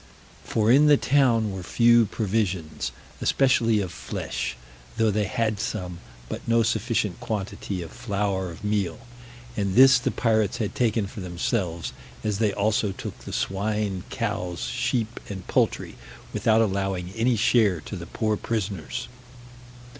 For in the town were few provisions, especially of flesh, though they had some, but no sufficient quantity of flour of meal, and this the pirates had taken for themselves, as they also took the swine, cows, sheep, and poultry, without allowing any share to the poor prisoners.